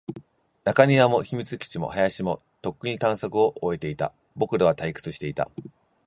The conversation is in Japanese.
中庭も、秘密基地も、林も、とっくに探索を終えていた。僕らは退屈していた。